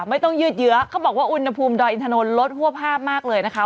ไม่ต้องยืดเยอะเขาบอกว่าอุณหภูมิดอยอินถนนลดหัวภาพมากเลยนะคะ